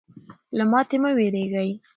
له ماتې مه ویرېږئ.